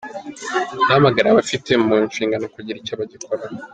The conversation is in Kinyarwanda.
Ndahamagarira ababifite mu nshingano kugira icyo bagikoraho.